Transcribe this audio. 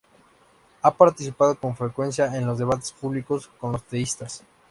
Ha participado con frecuencia en los debates públicos con los teístas.